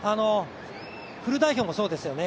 フル代表もそうですよね